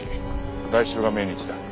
来週が命日だ。